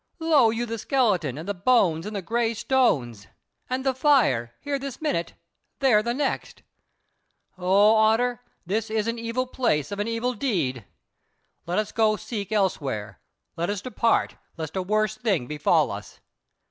Lo you the skeleton and the bones and the grey stones! And the fire, here this minute, there the next. O Otter, this is an evil place of an evil deed! Let us go seek elsewhere; let us depart, lest a worse thing befall us."